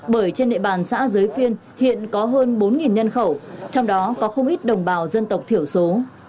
bởi trên địa bàn xã giới phiên hiện có hơn bốn nhân khẩu trong đó có không ít đồng bào dân tộc thiểu số